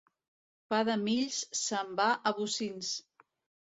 Pa de mills se'n va a bocins.